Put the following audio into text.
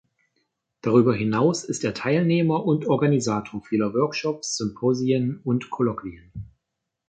Darüber hinaus ist er Teilnehmer und Organisator vieler Workshops, Symposien und Kolloquien.